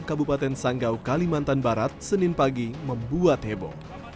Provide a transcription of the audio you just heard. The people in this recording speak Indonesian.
kabupaten sanggau kalimantan barat senin pagi membuat heboh